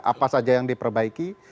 apa saja yang diperbaiki